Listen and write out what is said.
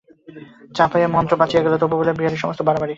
চা পাইয়া মহেন্দ্র বাঁচিয়া গেল, তবু বলিল, বিহারীর সমস্ত বাড়াবাড়ি।